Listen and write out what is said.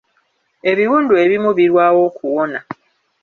Ebiwundu ebimu birwawo okuwona.